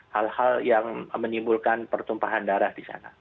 hal hal yang menimbulkan pertumpahan darah di sana